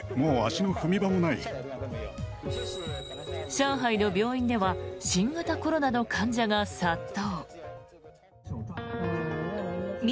上海の病院では新型コロナの患者が殺到。